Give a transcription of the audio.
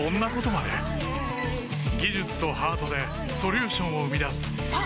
技術とハートでソリューションを生み出すあっ！